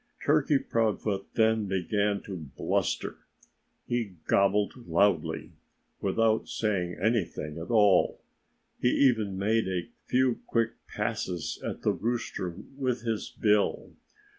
Turkey Proudfoot then began to bluster. He gobbled loudly, without saying anything at all. He even made a few quick passes at the rooster with his bill.